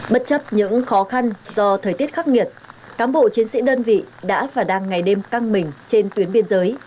bất chấp những khó khăn do thời tiết khắc nghiệt cán bộ chiến sĩ đơn vị đã và đang ngày đêm căng mình trên tuyến biên giới